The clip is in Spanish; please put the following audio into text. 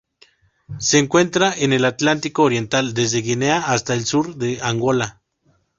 Se encuentra en el Atlántico oriental: desde Guinea hasta el sur de Angola.